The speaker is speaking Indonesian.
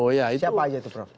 siapa aja itu prof